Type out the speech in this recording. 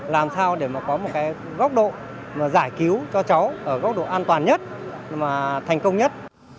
làm sao để có một góc độ giải cứu cho cháu ở góc độ an toàn nhất thành công nhất